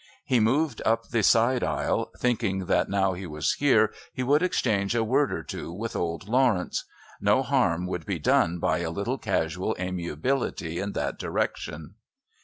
He moved up the side aisle, thinking that now he was here he would exchange a word or two with old Lawrence. No harm would be done by a little casual amiability in that direction.